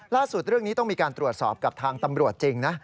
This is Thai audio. เรื่องนี้ต้องมีการตรวจสอบกับทางตำรวจจริงนะ